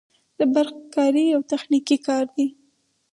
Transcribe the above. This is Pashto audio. د برق کاري یو تخنیکي کار دی